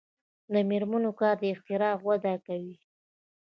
د میرمنو کار د اختراع وده کوي.